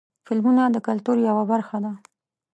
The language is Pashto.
فلمونه د کلتور یوه برخه ده.